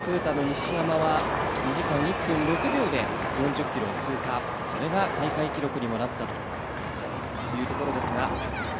昨年、初マラソン、初優勝、トヨタの西山は２時間１分６秒で４０ｋｍを通過、それが大会記録にもなったというところですが。